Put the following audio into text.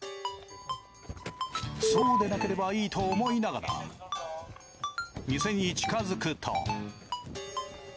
そうでなければいいと思いながら店に近づくと。